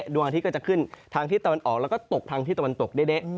ดวงอาทิตย์ก็จะขึ้นทางที่ตะวันออกแล้วก็ตกทางที่ตะวันตกเด๊ะ